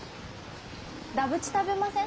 ダブチ、食べません？